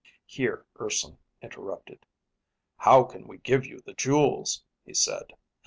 Here Urson interrupted. "How can we give you the jewels?" he said.